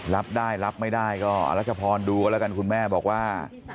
รับได้รับไม่ได้ก็อรัชพรดูกันแล้วกันคุณแม่บอกว่า